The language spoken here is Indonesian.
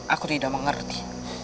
aku tidak mengerti